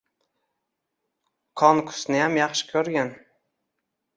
Qonqusniyam yaxshi ko‘rgin.